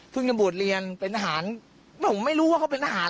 จะบวชเรียนเป็นทหารผมไม่รู้ว่าเขาเป็นทหาร